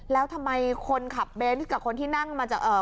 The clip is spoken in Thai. แล้วทำไมคนขับเบนส์กับคนที่นั่งมาจากเอ่อ